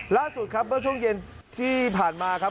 ล่าสุดครับเมื่อช่วงเย็นที่ผ่านมาครับ